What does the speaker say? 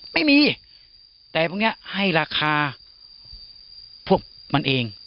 ไม่มีแต่พวกนี้ให้ราคาพวกมันเอง